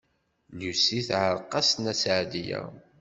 Lucy teɛreq-as Nna Seɛdiya.